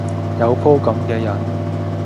有鋪咁既癮